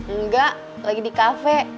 enggak lagi di kafe